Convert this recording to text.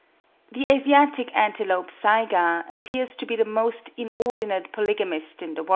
The Asiatic Antilope saiga appears to be the most inordinate polygamist in the world; for Pallas (11.